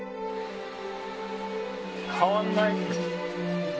変わらない。